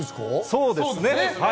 そうですね。